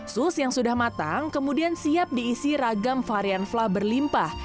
sus yang sudah matang kemudian siap diisi ragam varian flah berlimpah